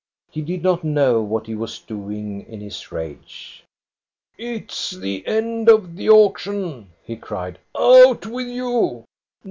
He did not know what he was doing in his rage. " It 's the end of the auction," he cried. " Out with you